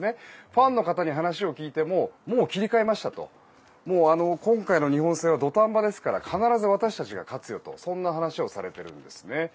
ファンの方に話を聞いてももう切り替えましたと今回の日本戦は土壇場ですから必ず私たちが勝つよとそんな話をされているんです。